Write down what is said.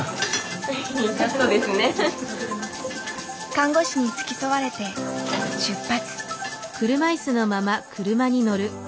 看護師に付き添われて出発。